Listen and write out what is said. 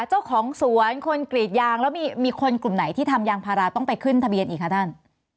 เจ้าของสวนคนกรีดยางแล้วมีคนกลุ่มไหนที่ทำยางพาราต้องไปขึ้นทะเบียนอีกคะท่าน